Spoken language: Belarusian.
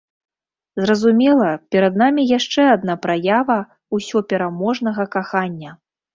Зразумела, перад намі яшчэ адна праява ўсёпераможнага кахання!